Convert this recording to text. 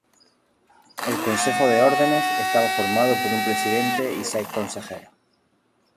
El Consejo de Órdenes estaba formado por un presidente y seis consejeros.